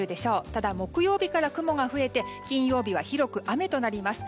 ただ、木曜日から雲が増えて金曜日は広く雨となります。